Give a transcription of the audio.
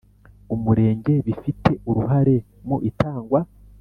Umurenge bifite uruhare mu itangwa